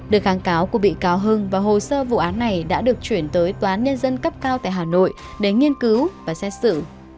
đợt kháng cáo của bị cáo hưng và hồ sơ vụ án này đã được chuyển tới tnncc tại hà nội để nghiên cứu và xét xử